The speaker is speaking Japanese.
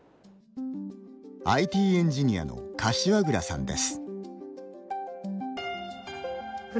ＩＴエンジニアの、柏倉さんです。